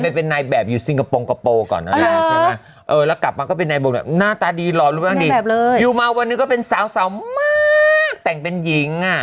นายเป็นนายแบบอยู่ซิงกะโปร์กะโปร์ก่อนนะแล้วกลับมาก็เป็นนายโบราณหน้าตาดีหรอรู้หรือไม่รู้อยู่มาวันนึงก็เป็นสาวมากแต่งเป็นหญิงอะ